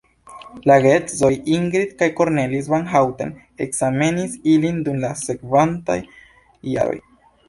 La geedzoj Ingrid kaj Cornelis van Houten ekzamenis ilin dum la sekvantaj jaroj.